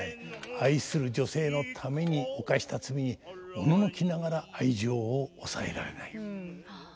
愛する女性のために犯した罪におののきながら愛情を抑えられない。